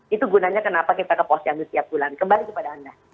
itu gunanya kenapa kita ke posyandu setiap bulan kembali kepada anda